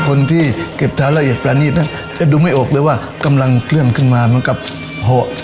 คนที่เก็บเท้าละเอียดประณีดน่ะจะดูไม่โอบเลยว่ากำลังเคลื่อนขึ้นมาเหมือนกับห่อหืนด้วยหน้ากาก